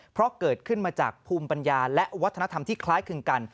เพราะเกิดขึ้นมาจากภูมิปัญญาและวัฒนธรรมที่คล้ายคลึงกัน